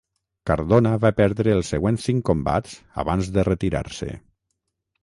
Cardona va perdre els següents cinc combats abans de retirar-se.